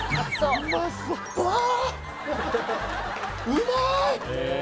うまーい！